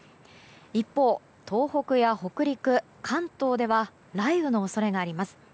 一方、東北や北陸、関東では雷雨の恐れがあります。